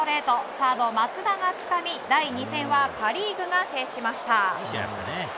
サード松田がつかみ第２戦はパ・リーグが制しました。